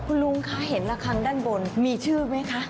คุณลุงคะเห็นระคังด้านบนมีชื่อไหมคะ